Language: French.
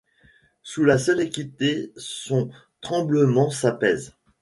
Sous la seule équité son tremblement s’apaise.